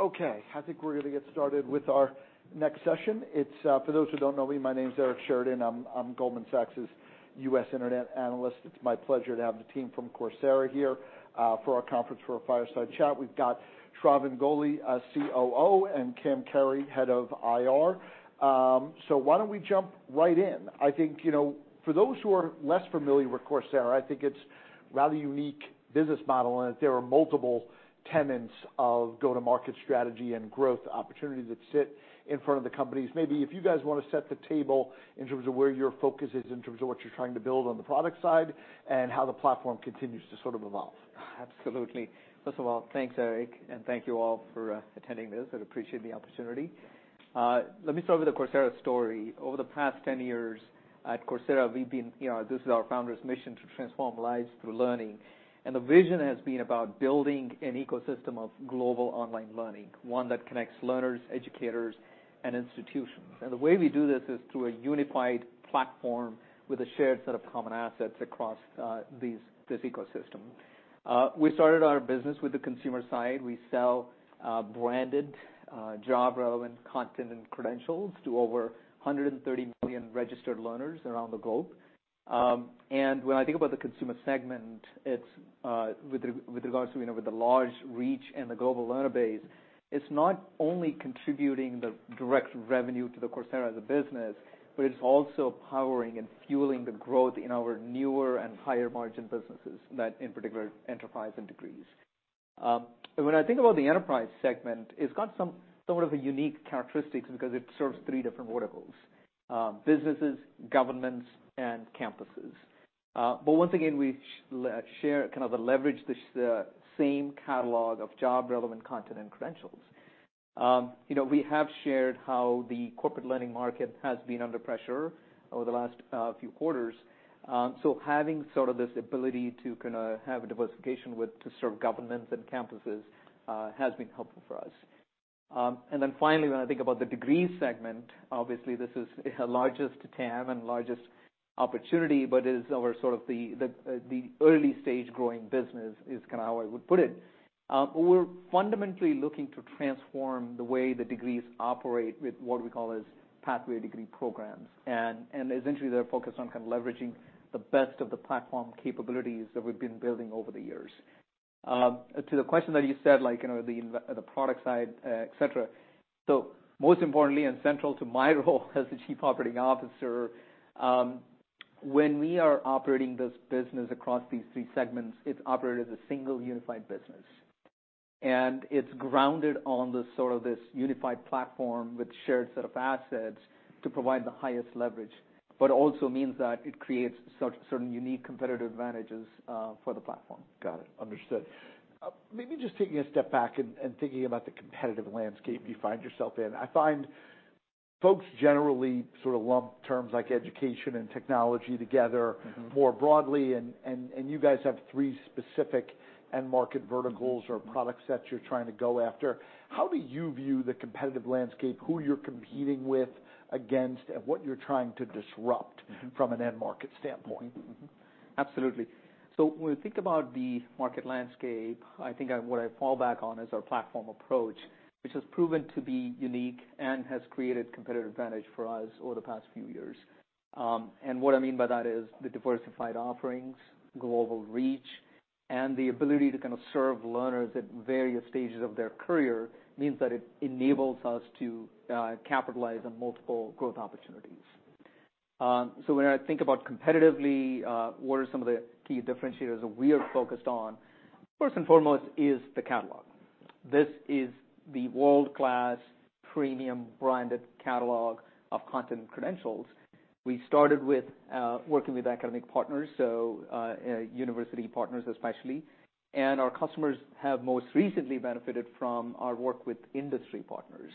Okay, I think we're gonna get started with our next session. It's for those who don't know me, my name's Eric Sheridan. I'm Goldman Sachs's U.S. internet analyst. It's my pleasure to have the team from Coursera here for our conference, for our fireside chat. We've got Shravan Goli, our COO, and Cam Carey, head of IR. So why don't we jump right in? I think, you know, for those who are less familiar with Coursera, I think it's a rather unique business model, and that there are multiple tenets of go-to-market strategy and growth opportunities that sit in front of the companies. Maybe if you guys wanna set the table in terms of where your focus is, in terms of what you're trying to build on the product side, and how the platform continues to sort of evolve. Absolutely. First of all, thanks, Eric, and thank you all for attending this. I appreciate the opportunity. Let me start with the Coursera story. Over the past 10 years at Coursera, we've been you know, this is our founder's mission, to transform lives through learning. The vision has been about building an ecosystem of global online learning, one that connects learners, educators, and institutions. The way we do this is through a unified platform with a shared set of common assets across this ecosystem. We started our business with the consumer side. We sell branded job-relevant content and credentials to over 130 million registered learners around the globe. And when I think about the consumer segment, it's with regards to, you know, with the large reach and the global learner base, it's not only contributing the direct revenue to Coursera as a business, but it's also powering and fueling the growth in our newer and higher-margin businesses, that in particular, enterprise and degrees. And when I think about the enterprise segment, it's got somewhat of a unique characteristics because it serves three different verticals: businesses, governments, and campuses. But once again, we share, kind of, leverage this same catalog of job-relevant content and credentials. You know, we have shared how the corporate learning market has been under pressure over the last few quarters. So having sort of this ability to kinda have a diversification with to serve governments and campuses has been helpful for us. And then finally, when I think about the degree segment, obviously, this is the largest TAM and largest opportunity, but it is our sort of the early-stage growing business, is kinda how I would put it. We're fundamentally looking to transform the way the degrees operate with what we call as Pathway Degree programs. And essentially, they're focused on kind of leveraging the best of the platform capabilities that we've been building over the years. To the question that you said, like, you know, the product side, et cetera. Most importantly and central to my role as the Chief Operating Officer, when we are operating this business across these three segments, it's operated as a single unified business. It's grounded on the sort of this unified platform with shared set of assets to provide the highest leverage, but also means that it creates certain unique competitive advantages for the platform. Got it. Understood. Maybe just taking a step back and, and thinking about the competitive landscape you find yourself in. I find folks generally sort of lump terms like education and technology together- Mm-hmm. More broadly, and you guys have three specific end-market verticals or product sets you're trying to go after. How do you view the competitive landscape, who you're competing with, against, and what you're trying to disrupt? Mm-hmm. From an end-market standpoint? Mm-hmm. Absolutely. So when we think about the market landscape, I think what I fall back on is our platform approach, which has proven to be unique and has created competitive advantage for us over the past few years. And what I mean by that is the diversified offerings, global reach, and the ability to kind of serve learners at various stages of their career, means that it enables us to capitalize on multiple growth opportunities. So when I think about competitively, what are some of the key differentiators that we are focused on? First and foremost is the catalog. This is the world-class, premium, branded catalog of content and credentials. We started with working with academic partners, so university partners, especially, and our customers have most recently benefited from our work with industry partners.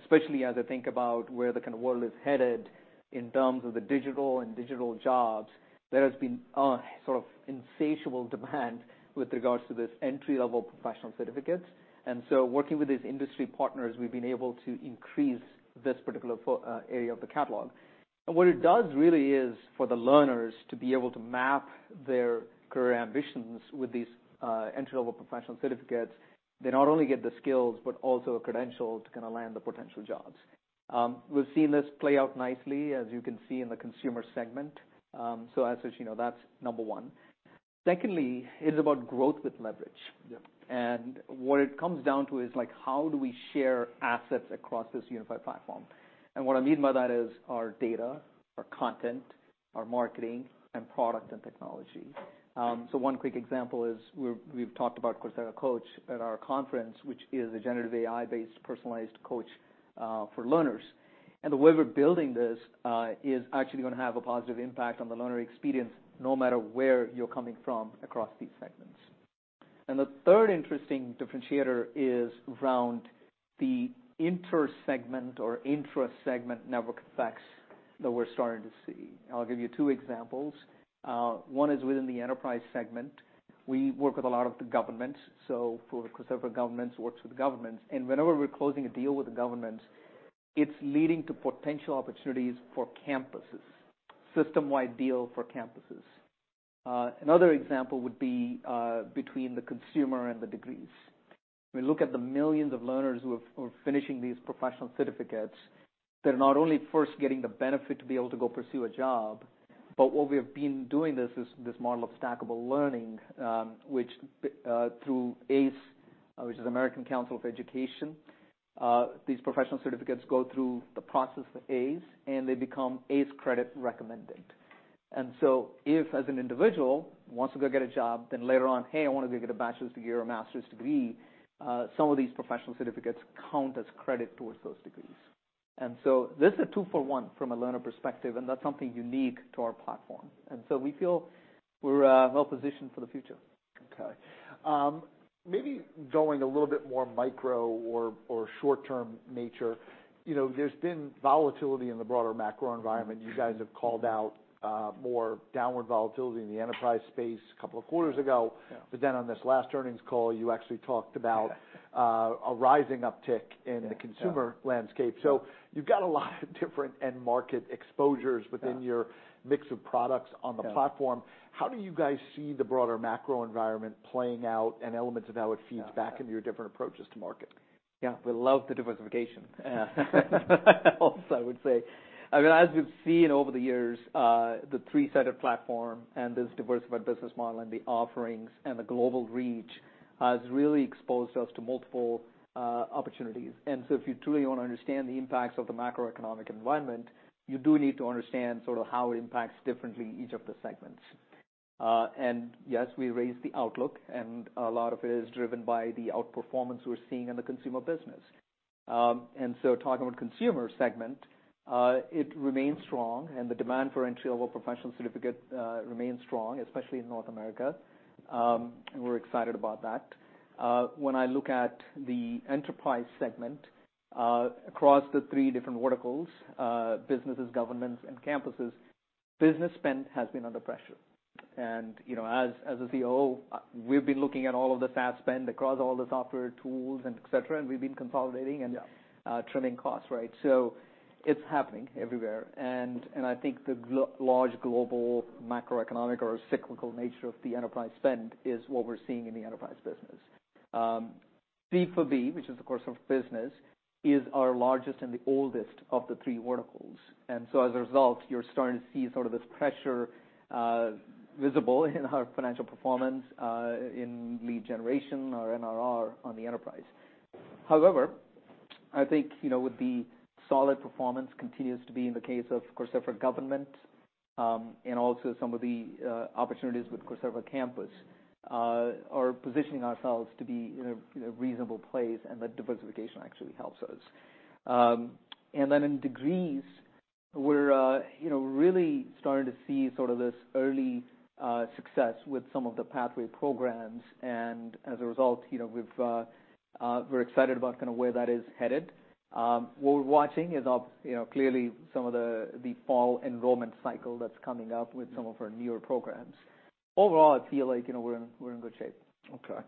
Especially as I think about where the kind of world is headed in terms of the digital and digital jobs, there has been a sort of insatiable demand with regards to this entry-level professional certificates. And so working with these industry partners, we've been able to increase this particular area of the catalog. And what it does really is, for the learners to be able to map their career ambitions with these entry-level professional certificates. They not only get the skills, but also a credential to kinda land the potential jobs. We've seen this play out nicely, as you can see in the consumer segment. So as such, you know, that's number one. Secondly, it's about growth with leverage. Yeah. What it comes down to is, like, how do we share assets across this unified platform? What I mean by that is our data, our content, our marketing, and product and technology. So one quick example is, we've talked about Coursera Coach at our conference, which is a generative AI-based personalized coach for learners. The way we're building this is actually gonna have a positive impact on the learner experience, no matter where you're coming from across these segments. The third interesting differentiator is around the inter-segment or intra-segment network effects that we're starting to see. I'll give you two examples. One is within the enterprise segment. We work with a lot of the governments, so for Coursera for Government works with the governments. And whenever we're closing a deal with the government, it's leading to potential opportunities for campuses, system-wide deal for campuses. Another example would be between the consumer and the degrees. When we look at the millions of learners who are finishing these professional certificates, they're not only first getting the benefit to be able to go pursue a job, but what we have been doing this, is this model of stackable learning, which through ACE, which is American Council on Education, these professional certificates go through the process of ACE, and they become ACE credit recommended. And so if, as an individual, wants to go get a job, then later on, "Hey, I wanna go get a bachelor's degree or a master's degree," some of these professional certificates count as credit towards those degrees. And so this is a two-for-one from a learner perspective, and that's something unique to our platform. And so we feel we're well positioned for the future. Okay. Maybe going a little bit more micro or short-term nature, you know, there's been volatility in the broader macro environment. You guys have called out more downward volatility in the enterprise space a couple of quarters ago. Yeah. But then on this last earnings call, you actually talked about- Yeah.... a rising uptick in- Yeah.... the consumer landscape. Yeah. You've got a lot of different end market exposures- Yeah.... within your mix of products on the platform. Yeah. How do you guys see the broader macro environment playing out, and elements of how it feeds back into your different approaches to market? Yeah. We love the diversification. Also, I would say, I mean, as we've seen over the years, the three-sided platform and this diversified business model, and the offerings, and the global reach, has really exposed us to multiple, opportunities. And so if you truly wanna understand the impacts of the macroeconomic environment, you do need to understand sort of how it impacts differently each of the segments. And yes, we raised the outlook, and a lot of it is driven by the outperformance we're seeing in the consumer business. And so talking about consumer segment, it remains strong, and the demand for entry-level professional certificate, remains strong, especially in North America. And we're excited about that. When I look at the enterprise segment, across the three different verticals, businesses, governments, and campuses, business spend has been under pressure. You know, as a CEO, we've been looking at all of the SaaS spend across all the software tools and et cetera, and we've been consolidating and- Yeah.... trimming costs, right? So it's happening everywhere. And I think the large global macroeconomic or cyclical nature of the enterprise spend is what we're seeing in the enterprise business. B for B, which is Coursera for Business, is our largest and the oldest of the three verticals. And so as a result, you're starting to see sort of this pressure visible in our financial performance in lead generation or NRR on the enterprise. However, I think, you know, with the solid performance continues to be in the case of Coursera for Government, and also some of the opportunities with Coursera Campus are positioning ourselves to be in a reasonable place, and the diversification actually helps us. And then in degrees, we're, you know, really starting to see sort of this early success with some of the pathway programs, and as a result, you know, we've, we're excited about kinda where that is headed. What we're watching is, you know, clearly some of the fall enrollment cycle that's coming up with some of our newer programs. Overall, I feel like, you know, we're in, we're in good shape. Okay.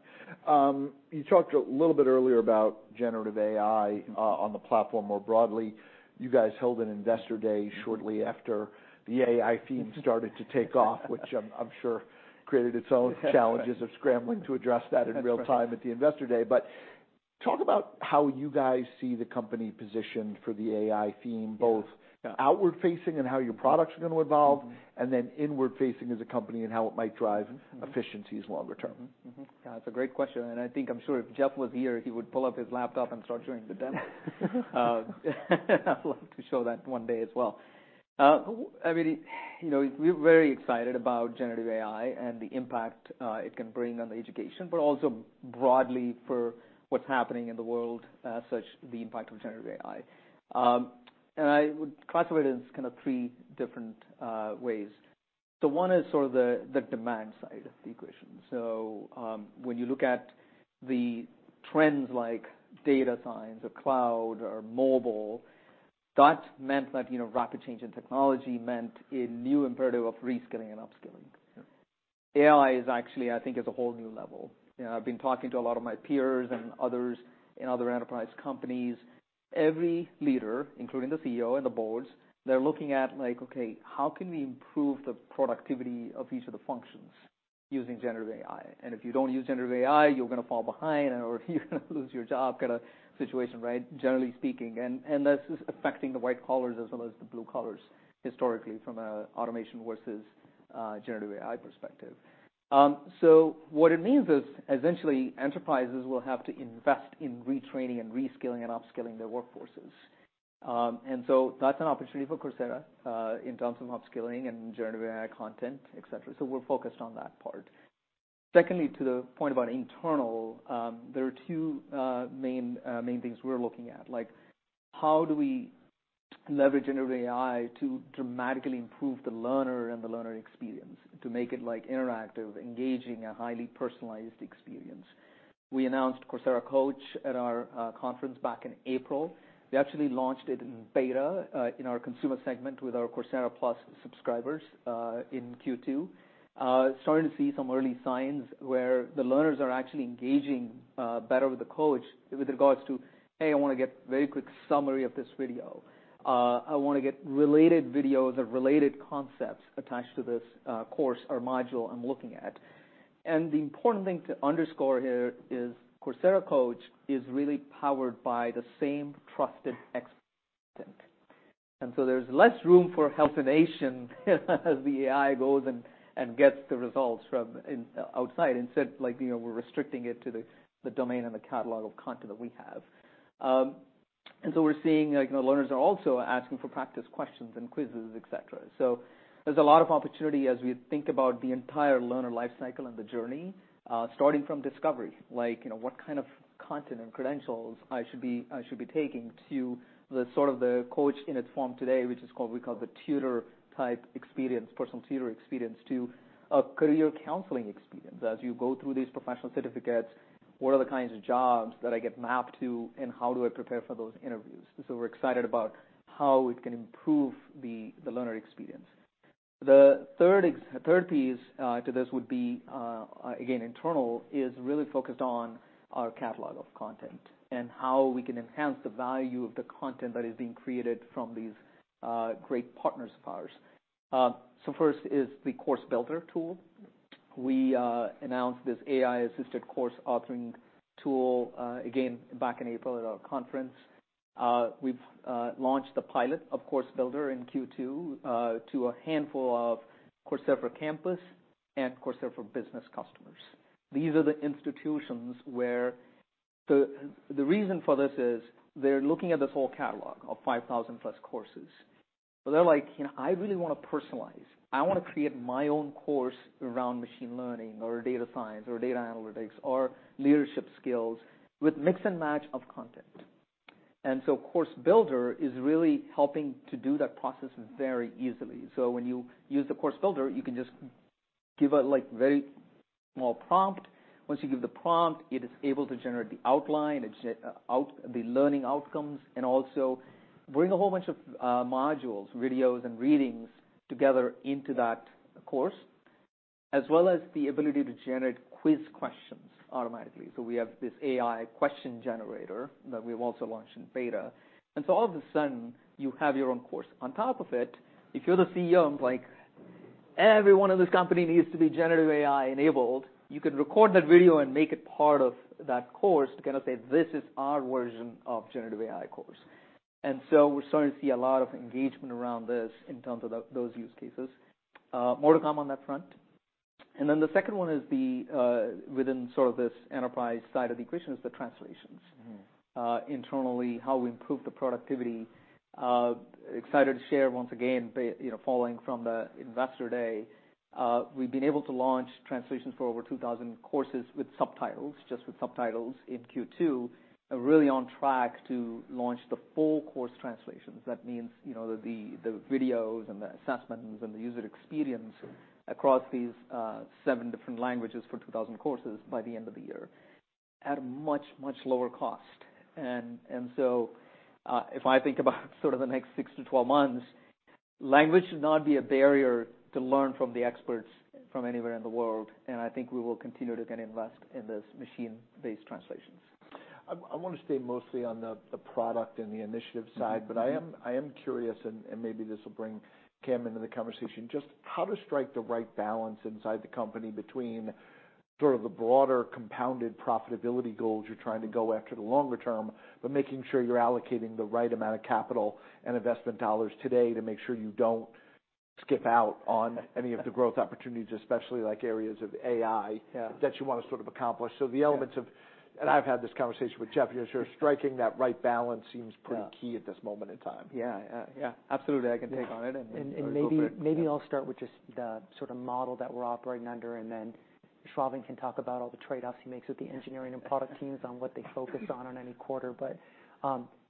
You talked a little bit earlier about generative AI on the platform more broadly. You guys held an investor day shortly after the AI theme started to take off, which I'm, I'm sure created its own challenges of scrambling to address that in real time at the investor day. But talk about how you guys see the company positioned for the AI theme, both- Yeah.... outward facing and how your products are gonna evolve, and then inward facing as a company and how it might drive efficiencies longer term. Mm-hmm. Yeah, it's a great question, and I think I'm sure if Jeff was here, he would pull up his laptop and start doing the demo. I'd love to show that one day as well. I mean, you know, we're very excited about generative AI and the impact it can bring on the education, but also broadly for what's happening in the world, such the impact of generative AI. And I would classify it in kind of three different ways. So one is sort of the demand side of the equation. So, when you look at the trends like data science or cloud or mobile, that meant that, you know, rapid change in technology meant a new imperative of reskilling and upskilling. Yeah. AI is actually, I think, is a whole new level. You know, I've been talking to a lot of my peers and others in other enterprise companies. Every leader, including the CEO and the boards, they're looking at, like, okay, how can we improve the productivity of each of the functions using generative AI? And if you don't use generative AI, you're gonna fall behind, or you're gonna lose your job kind of situation, right? Generally speaking, and this is affecting the white collars as well as the blue collars historically from a automation versus generative AI perspective. So what it means is, essentially, enterprises will have to invest in retraining and reskilling and upskilling their workforces. And so that's an opportunity for Coursera in terms of upskilling and generative AI content, et cetera. So we're focused on that part. Secondly, to the point about internal, there are two main things we're looking at, like, how do we leverage generative AI to dramatically improve the learner and the learner experience, to make it like interactive, engaging, a highly personalized experience? We announced Coursera Coach at our conference back in April. We actually launched it in beta in our consumer segment with our Coursera Plus subscribers in Q2. Starting to see some early signs where the learners are actually engaging better with the coach with regards to, "Hey, I wanna get a very quick summary of this video." "I wanna get related videos or related concepts attached to this course or module I'm looking at."… And the important thing to underscore here is Coursera Coach is really powered by the same trusted expert. So there's less room for hallucination as the AI goes and gets the results from outside instead, like, you know, we're restricting it to the domain and the catalog of content that we have. We're seeing, like, you know, learners are also asking for practice questions and quizzes, et cetera. There's a lot of opportunity as we think about the entire learner life cycle and the journey, starting from discovery. Like, you know, what kind of content and credentials I should be taking, to the sort of the coach in its form today, which is called—we call the tutor-type experience, personal tutor experience, to a career counseling experience. As you go through these professional certificates, what are the kinds of jobs that I get mapped to, and how do I prepare for those interviews? So we're excited about how it can improve the, the learner experience. The third piece to this would be, again, internal, is really focused on our catalog of content, and how we can enhance the value of the content that is being created from these great partners of ours. So first is the Course Builder tool. We announced this AI-assisted course authoring tool, again, back in April at our conference. We've launched the pilot of Course Builder in Q2 to a handful of Coursera for Campus and Coursera for Business customers. These are the institutions where the... The reason for this is, they're looking at this whole catalog of 5,000+ courses. So they're like: You know, I really wanna personalize. I wanna create my own course around machine learning, or data science, or data analytics, or leadership skills, with mix and match of content. Course Builder is really helping to do that process very easily. When you use the Course Builder, you can just give it, like, very small prompt. Once you give the prompt, it is able to generate the outline, it generates the learning outcomes, and also bring a whole bunch of modules, videos, and readings together into that course, as well as the ability to generate quiz questions automatically. So we have this AI question generator that we've also launched in beta. All of a sudden, you have your own course. On top of it, if you're the CEO, and like, every one of this company needs to be generative AI-enabled, you can record that video and make it part of that course, to kind of say, "This is our version of generative AI course." And so we're starting to see a lot of engagement around this in terms of those use cases. More to come on that front. And then the second one is the, within sort of this enterprise side of the equation, is the translations. Mm-hmm. Internally, how we improve the productivity. Excited to share, once again, you know, following from the Investor Day, we've been able to launch translations for over 2,000 courses with subtitles, just with subtitles, in Q2, are really on track to launch the full course translations. That means, you know, the videos and the assessments and the user experience across these seven different languages for 2,000 courses by the end of the year, at a much, much lower cost. And so, if I think about sort of the next six-12 months, language should not be a barrier to learn from the experts from anywhere in the world, and I think we will continue to again invest in this machine-based translations. I wanna stay mostly on the product and the initiative side- Mm-hmm. But I am, I am curious, and, and maybe this will bring Cam into the conversation, just how to strike the right balance inside the company between sort of the broader compounded profitability goals you're trying to go after the longer term, but making sure you're allocating the right amount of capital and investment dollars today, to make sure you don't skip out on any of the growth opportunities, especially like areas of AI- Yeah.... that you wanna sort of accomplish. Yeah. So the elements of... And I've had this conversation with Jeff. I'm sure striking that right balance seems pretty... Yeah. Key at this moment in time. Yeah, yeah. Absolutely, I can take on it and- Maybe I'll start with just the sorta model that we're operating under, and then Shravan can talk about all the trade-offs he makes with the engineering and product teams on what they focus on in any quarter. But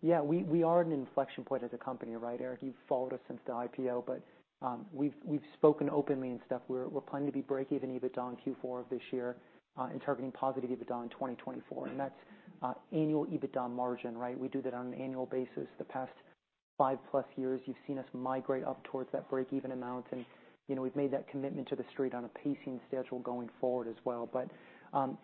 yeah, we are at an inflection point as a company, right, Eric? You've followed us since the IPO, but we've spoken openly and stuff. We're planning to be break-even EBITDA in Q4 of this year, and targeting positive EBITDA in 2024. And that's annual EBITDA margin, right? We do that on an annual basis. The past five plus years, you've seen us migrate up towards that break-even amount, and you know, we've made that commitment to the street on a pacing schedule going forward as well.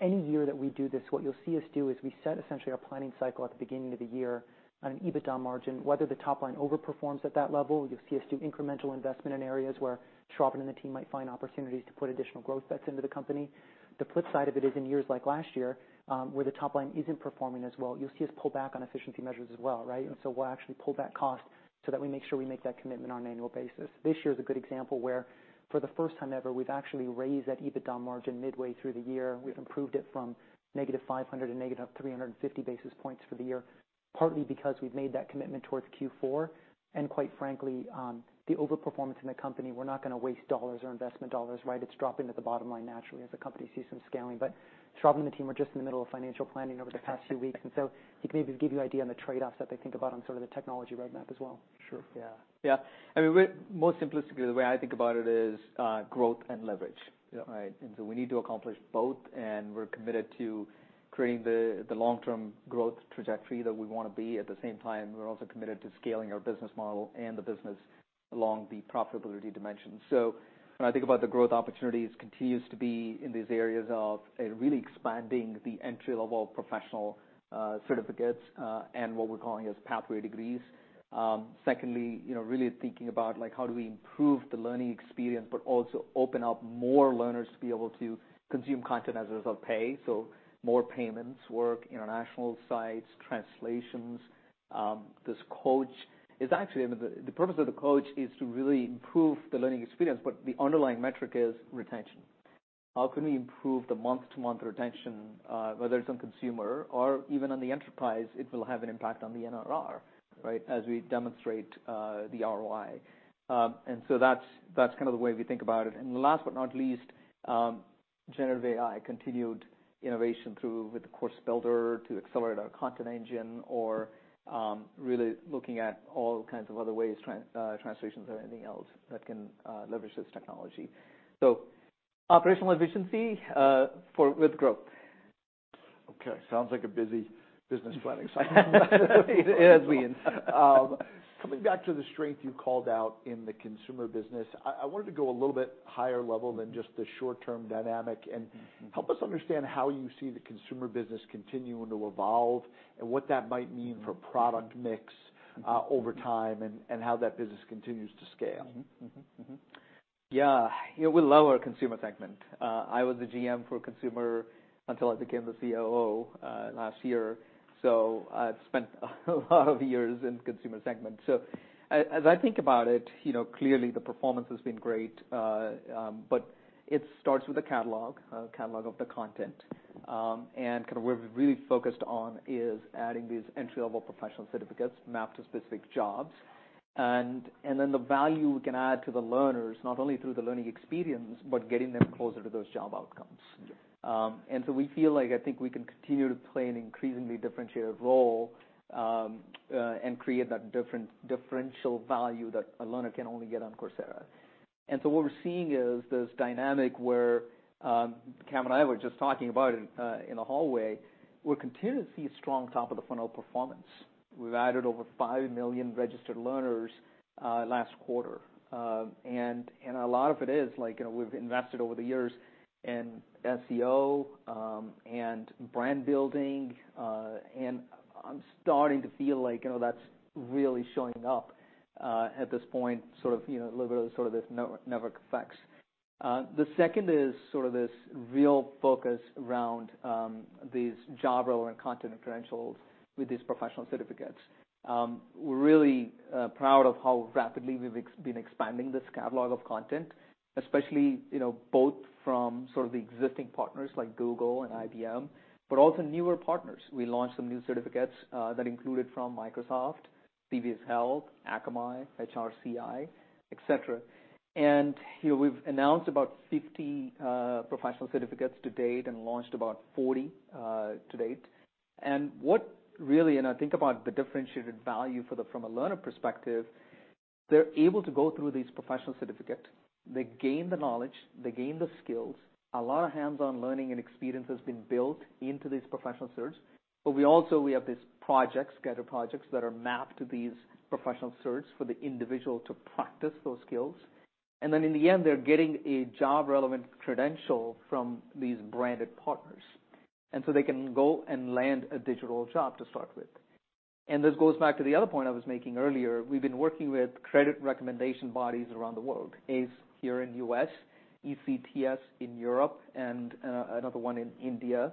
Any year that we do this, what you'll see us do is we set essentially our planning cycle at the beginning of the year on an EBITDA margin. Whether the top line overperforms at that level, you'll see us do incremental investment in areas where Shravan and the team might find opportunities to put additional growth bets into the company. The flip side of it is in years like last year, where the top line isn't performing as well, you'll see us pull back on efficiency measures as well, right? So we'll actually pull back cost so that we make sure we make that commitment on an annual basis. This year is a good example where, for the first time ever, we've actually raised that EBITDA margin midway through the year. We've improved it from -500 to -350 basis points for the year, partly because we've made that commitment towards Q4, and quite frankly, the overperformance in the company, we're not gonna waste dollars or investment dollars, right? It's dropping to the bottom line naturally as the company sees some scaling. But Shravan and the team were just in the middle of financial planning over the past few weeks, and so he can maybe give you an idea on the trade-offs that they think about on sort of the technology roadmap as well. Sure. Yeah. Yeah. I mean, most simplistically, the way I think about it is, growth and leverage. Yeah. Right? And so we need to accomplish both, and we're committed to creating the long-term growth trajectory that we wanna be. At the same time, we're also committed to scaling our business model and the business along the profitability dimension. So when I think about the growth opportunities, continues to be in these areas of really expanding the entry-level professional certificates and what we're calling as Pathway Degrees. Secondly, you know, really thinking about, like, how do we improve the learning experience, but also open up more learners to be able to consume content as a result of pay, so more payments work, international sites, translation. This coach is actually. The purpose of the coach is to really improve the learning experience, but the underlying metric is retention. How can we improve the month-to-month retention, whether it's on consumer or even on the enterprise? It will have an impact on the NRR, right? As we demonstrate the ROI. So that's kind of the way we think about it. And last but not least, generative AI, continued innovation through with the Course Builder to accelerate our content engine or really looking at all kinds of other ways, translations or anything else that can leverage this technology. So operational efficiency for with growth. Okay, sounds like a busy business planning cycle. It is, we- Coming back to the strength you called out in the consumer business, I wanted to go a little bit higher level than just the short-term dynamic. Mm-hmm. Help us understand how you see the consumer business continuing to evolve, and what that might mean for product mix, over time, and, and how that business continues to scale. Mm-hmm, mm-hmm, mm-hmm. Yeah, you know, we love our consumer segment. I was the GM for consumer until I became the COO last year, so I've spent a lot of years in consumer segment. So as I think about it, you know, clearly the performance has been great, but it starts with the catalog, catalog of the content. And kind of where we're really focused on is adding these entry-level professional certificates mapped to specific jobs. And then the value we can add to the learners, not only through the learning experience, but getting them closer to those job outcomes. Yeah. So we feel like I think we can continue to play an increasingly differentiated role, and create that differential value that a learner can only get on Coursera. So what we're seeing is this dynamic where, Cam and I were just talking about it, in the hallway. We're continuing to see strong top-of-the-funnel performance. We've added over five million registered learners last quarter. And a lot of it is like, you know, we've invested over the years in SEO, and brand building, and I'm starting to feel like, you know, that's really showing up, at this point, sort of, you know, a little bit of sort of this network effects. The second is sort of this real focus around, these job role and content and credentials with these professional certificates. We're really proud of how rapidly we've been expanding this catalog of content, especially, you know, both from sort of the existing partners like Google and IBM, but also newer partners. We launched some new certificates that included from Microsoft, CVS Health, Akamai, HRCI, et cetera. You know, we've announced about 50 professional certificates to date and launched about 40 to date. What really, I think about the differentiated value from a learner perspective, they're able to go through these professional certificate. They gain the knowledge, they gain the skills. A lot of hands-on learning and experience has been built into these professional certs, but we also, we have these projects, guided projects, that are mapped to these professional certs for the individual to practice those skills. Then in the end, they're getting a job-relevant credential from these branded partners, and so they can go and land a digital job to start with. This goes back to the other point I was making earlier. We've been working with credit recommendation bodies around the world, ACE here in the U.S., ECTS in Europe, and another one in India,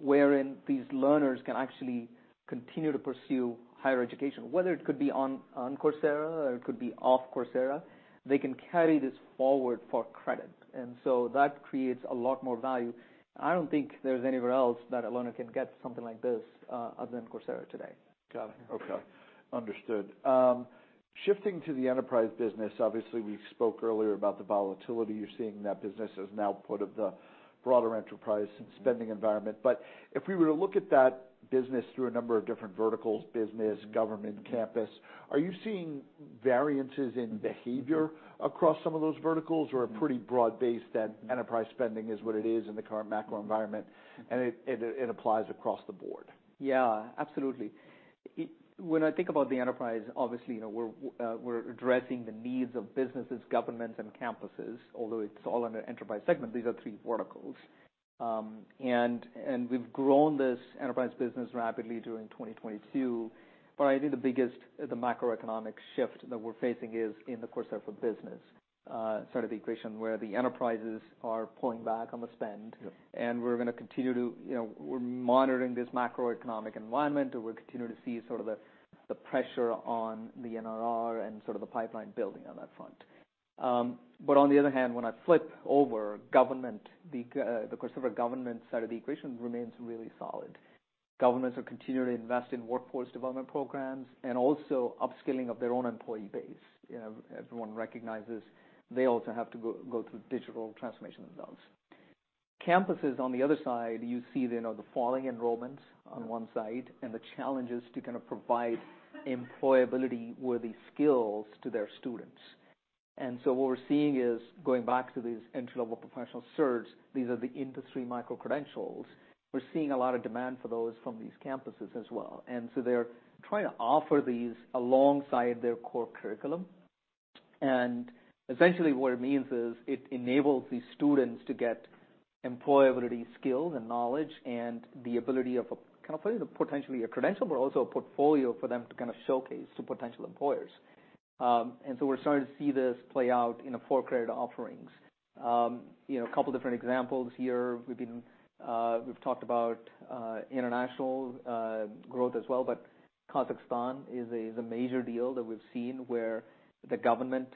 wherein these learners can actually continue to pursue higher education. Whether it could be on Coursera or it could be off Coursera, they can carry this forward for credit, and so that creates a lot more value. I don't think there's anywhere else that a learner can get something like this, other than Coursera today. Got it. Okay, understood. Shifting to the enterprise business, obviously, we spoke earlier about the volatility you're seeing in that business as an output of the broader enterprise and spending environment. But if we were to look at that business through a number of different verticals, business, government, campus, are you seeing variances in behavior across some of those verticals, or a pretty broad base that enterprise spending is what it is in the current macro environment, and it applies across the board? Yeah, absolutely. When I think about the enterprise, obviously, you know, we're addressing the needs of businesses, governments, and campuses. Although it's all under enterprise segment, these are three verticals. And we've grown this enterprise business rapidly during 2022, but I think the biggest macroeconomic shift that we're facing is in the Coursera for Business side of the equation, where the enterprises are pulling back on the spend. Yeah. We're gonna continue to... You know, we're monitoring this macroeconomic environment, and we're continuing to see sort of the pressure on the NRR and sort of the pipeline building on that front. But on the other hand, when I flip over government, the Coursera government side of the equation remains really solid. Governments are continuing to invest in workforce development programs and also upskilling of their own employee base. You know, everyone recognizes they also have to go through digital transformation themselves. Campuses, on the other side, you see, you know, the falling enrollments on one side- Yeah.... and the challenges to kind of provide employability-worthy skills to their students. And so what we're seeing is, going back to these entry-level professional certs, these are the industry micro-credentials. We're seeing a lot of demand for those from these campuses as well. And so they're trying to offer these alongside their core curriculum. And essentially, what it means is it enables these students to get employability skills and knowledge and the ability of a, can I say, potentially a credential, but also a portfolio for them to kind of showcase to potential employers. And so we're starting to see this play out in the for-credit offerings. You know, a couple different examples here. We've been, we've talked about international growth as well, but Kazakhstan is a major deal that we've seen, where the government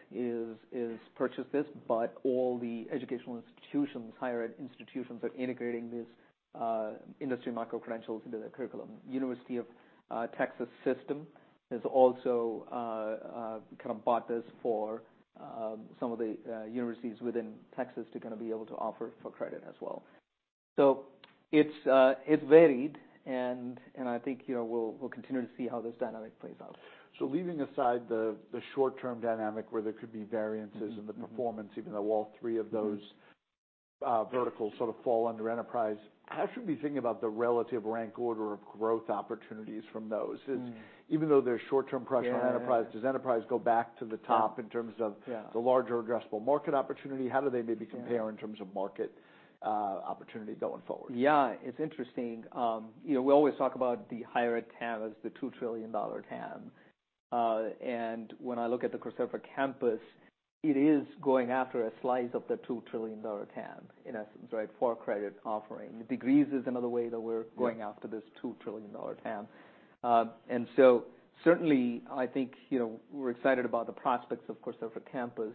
purchased this, but all the educational institutions, higher ed institutions, are integrating these industry micro-credentials into their curriculum. University of Texas System has also kind of bought this for some of the universities within Texas to kinda be able to offer for credit as well. So it's varied, and I think, you know, we'll continue to see how this dynamic plays out. So leaving aside the short-term dynamic, where there could be variances- Mm-hmm.... in the performance, even though all three of those- Mm-hmm.... Verticals sort of fall under enterprise, how should we be thinking about the relative rank order of growth opportunities from those? Mm. It's even though there's short-term pressure on enterprise- Yeah... does Enterprise go back to the top in terms of- Yeah.... the larger addressable market opportunity? How do they maybe compare- Yeah.... in terms of market opportunity going forward? Yeah. It's interesting. You know, we always talk about the higher ed TAM as the $2 trillion TAM. And when I look at the Coursera Campus, it is going after a slice of the $2 trillion TAM, in essence, right? For-credit offering. The degrees is another way that we're- Yeah.... going after this $2 trillion TAM. And so certainly, I think, you know, we're excited about the prospects of Coursera for Campus,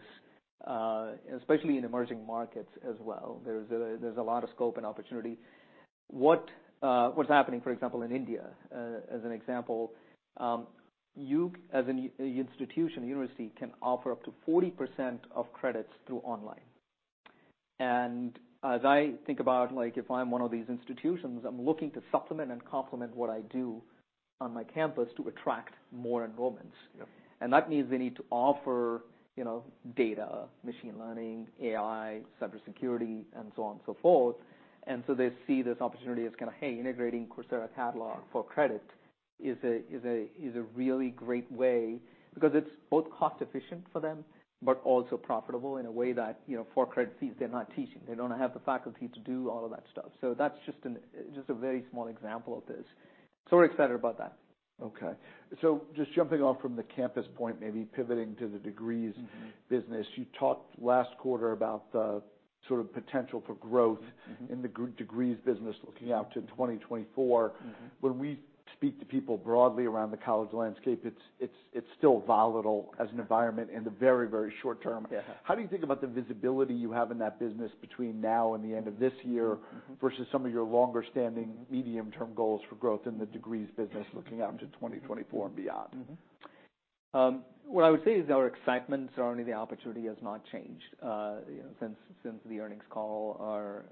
especially in emerging markets as well. There's a lot of scope and opportunity. What's happening, for example, in India, as an example, you as an institution, university, can offer up to 40% of credits through online. And as I think about, like, if I'm one of these institutions, I'm looking to supplement and complement what I do on my campus to attract more enrollments. Yep. That means they need to offer, you know, data, machine learning, AI, cybersecurity, and so on and so forth. And so they see this opportunity as kind of, hey, integrating Coursera catalog for credit is a really great way, because it's both cost efficient for them, but also profitable in a way that, you know, for-credit fees, they're not teaching. They don't have the faculty to do all of that stuff. So that's just a very small example of this. So we're excited about that. Okay. Just jumping off from the Campus point, maybe pivoting to the Degrees business. Mm-hmm. You talked last quarter about the sort of potential for .growth- Mm-hmm... in the Degrees business looking out to 2024. Mm-hmm. When we speak to people broadly around the college landscape, it's still volatile as an environment in the very, very short term. Yeah. How do you think about the visibility you have in that business between now and the end of this year- Mm-hmm... versus some of your longer-standing, medium-term goals for growth in the Degrees business, looking out to 2024 and beyond? What I would say is our excitement around the opportunity has not changed, you know, since the earnings call or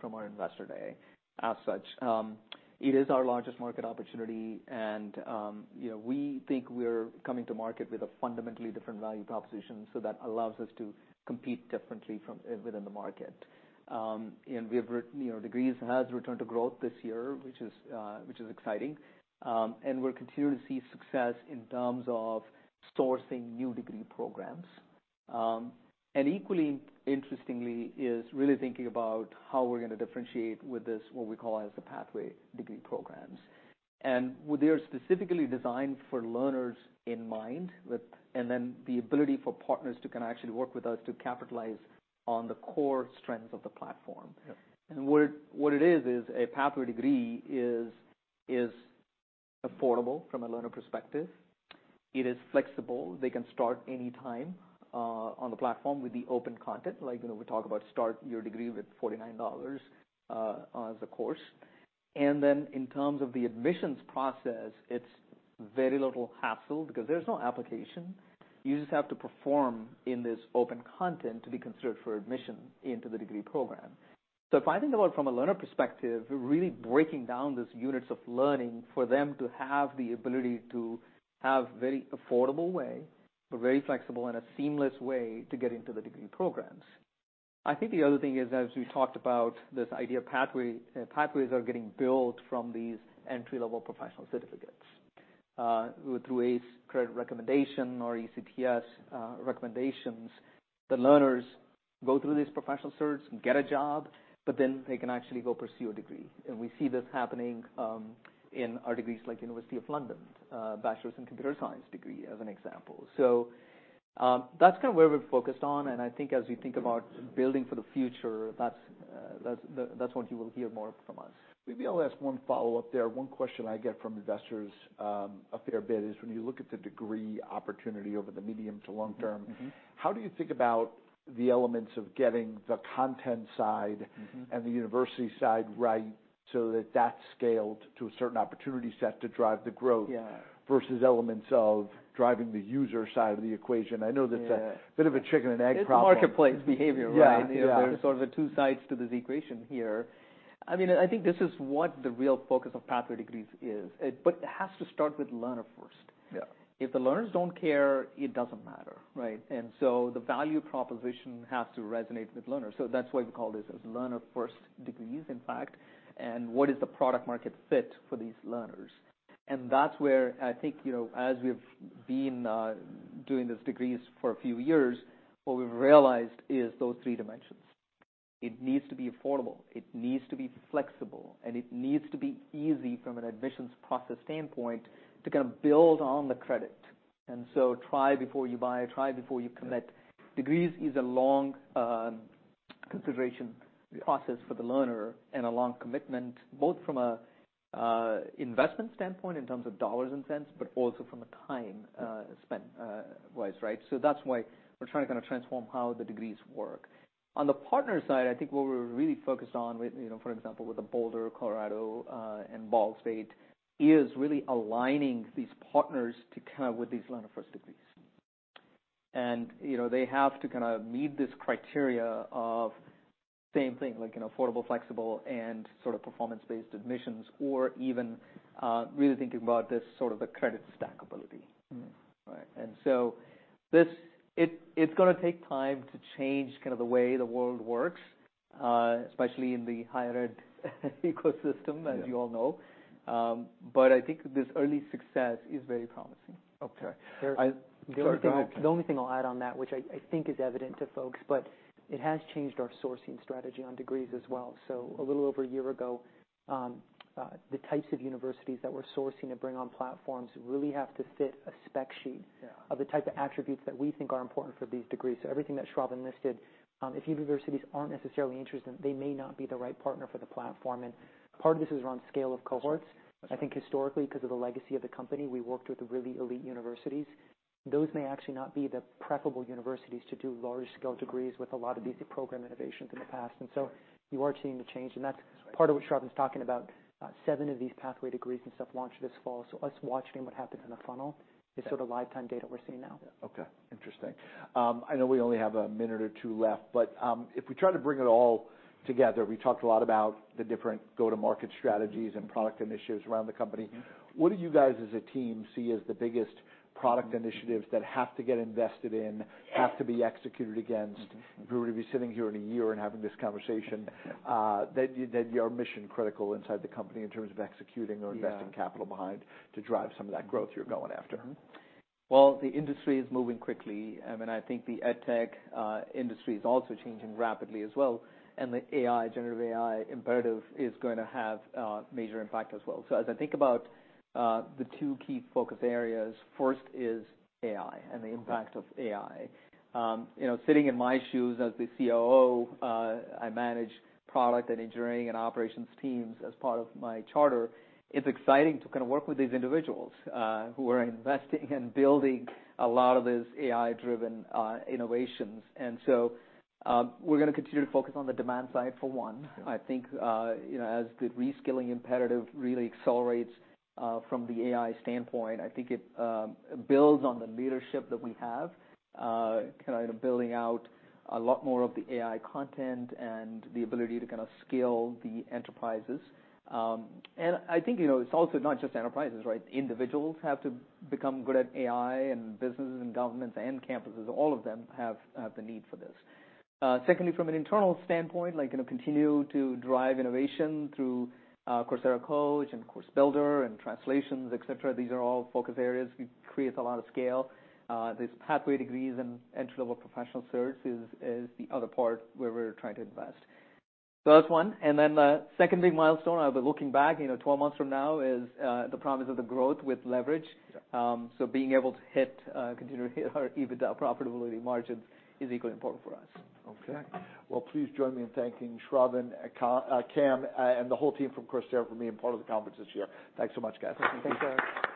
from our Investor Day as such. It is our largest market opportunity, and, you know, we think we're coming to market with a fundamentally different value proposition, so that allows us to compete differently from within the market. And we have, you know, Degrees has returned to growth this year, which is exciting. And we're continuing to see success in terms of sourcing new degree programs. And equally interestingly, is really thinking about how we're gonna differentiate with this, what we call as the Pathway Degree programs. Well, they are specifically designed for learners in mind, and then the ability for partners to kinda actually work with us to capitalize on the core strengths of the platform. Yeah. What it is, a Pathway Degree is affordable from a learner perspective. It is flexible; they can start any time on the platform with the open content. Like, you know, we talk about start your degree with $49 as a course. And then in terms of the admissions process, it's very little hassle because there's no application. You just have to perform in this open content to be considered for admission into the degree program. So if I think about from a learner perspective, we're really breaking down these units of learning for them to have the ability to have very affordable way, a very flexible and a seamless way to get into the degree programs. I think the other thing is, as we talked about, this idea of pathway. Pathways are getting built from these entry-level professional certificates. Through ACE credit recommendation or ECTS recommendations, the learners go through these professional certs and get a job, but then they can actually go pursue a degree. We see this happening in our degrees, like University of London Bachelor's in Computer Science degree, as an example. That's kind of where we're focused on, and I think as you think about building for the future, that's what you will hear more from us. Let me ask one follow-up there. One question I get from investors, a fair bit is, when you look at the degree opportunity over the medium to long term. Mm-hmm. How do you think about the elements of getting the content side- Mm-hmm.... and the university side right, so that that's scaled to a certain opportunity set to drive the growth? Yeah. Versus elements of driving the user side of the equation. Yeah. I know that's a bit of a chicken and egg problem. It's marketplace behavior, right? Yeah, yeah. There are sort of two sides to this equation here. I mean, I think this is what the real focus of Pathway Degrees is, but it has to start with learner first. Yeah. If the learners don't care, it doesn't matter, right? And so the value proposition has to resonate with learners. So that's why we call this as learner-first degrees, in fact, and what is the product market fit for these learners? And that's where I think, you know, as we've been doing these degrees for a few years, what we've realized is those three dimensions. It needs to be affordable, it needs to be flexible, and it needs to be easy from an admissions process standpoint to kind of build on the credit. And so try before you buy, try before you commit. Degrees is a long consideration process for the learner and a long commitment, both from a investment standpoint in terms of dollars and cents, but also from a time spent wise, right? So that's why we're trying to kind of transform how the degrees work. On the partner side, I think what we're really focused on with, you know, for example, with the Boulder, Colorado, and Ball State, is really aligning these partners to come up with these learner-first degrees. And, you know, they have to kinda meet this criteria of same thing, like, you know, affordable, flexible, and sort of performance-based admissions, or even really thinking about this sort of credit stackability. Mm-hmm. Right. And so this, it, it's gonna take time to change kind of the way the world works, especially in the higher ed ecosystem, as you all know. But I think this early success is very promising. Okay. The only thing, the only thing I'll add on that, which I think is evident to folks, but it has changed our sourcing strategy on degrees as well. So a little over a year ago, the types of universities that we're sourcing to bring on platforms really have to fit a spec sheet- Yeah.... of the type of attributes that we think are important for these degrees. So everything that Shravan listed, if universities aren't necessarily interested, they may not be the right partner for the platform. And part of this is around scale of cohorts. Sure. I think historically, because of the legacy of the company, we worked with the really elite universities. Those may actually not be the preferable universities to do large-scale degrees with a lot of these program innovations in the past. And so you are seeing the change, and that's part of what Shravan is talking about. Seven of these Pathway Degrees and stuff launched this fall, so us watching what happens in the funnel is sort of lifetime data we're seeing now. Okay. Interesting. I know we only have a minute or two left, but if we try to bring it all together, we talked a lot about the different go-to-market strategies and product initiatives around the company. What do you guys, as a team, see as the biggest product initiatives that have to get invested in, have to be executed against, if we were to be sitting here in a year and having this conversation, that are mission critical inside the company in terms of executing or investing capital behind to drive some of that growth you're going after? Well, the industry is moving quickly. I mean, I think the edtech industry is also changing rapidly as well, and the AI, generative AI imperative is going to have a major impact as well. So as I think about the two key focus areas, first is AI and the impact of AI. You know, sitting in my shoes as the COO, I manage product and engineering and operations teams as part of my charter. It's exciting to kinda work with these individuals who are investing and building a lot of these AI-driven innovations. And so, we're gonna continue to focus on the demand side, for one. I think, you know, as the reskilling imperative really accelerates, from the AI standpoint, I think it builds on the leadership that we have, kind of building out a lot more of the AI content and the ability to kinda scale the enterprises. And I think, you know, it's also not just enterprises, right? Individuals have to become good at AI, and businesses and governments and campuses, all of them have the need for this. Secondly, from an internal standpoint, like, gonna continue to drive innovation through Coursera Coach and Course Builder and Translations, et cetera. These are all focus areas. It creates a lot of scale. These Pathway Degrees and entry-level professional certs is the other part where we're trying to invest. So that's one, and then the second big milestone, I'll be looking back, you know, 12 months from now, is the promise of the growth with leverage. Sure. So being able to hit, continue to hit our EBITDA profitability margin is equally important for us. Okay. Well, please join me in thanking Shravan, Cam, and the whole team from Coursera for being part of the conference this year. Thanks so much, guys. Thank you. Thanks, guys.